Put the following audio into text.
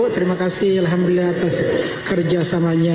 terima kasih alhamdulillah atas kerjasamanya